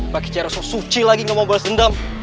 pakai cairan sosuci lagi gak mau balas dendam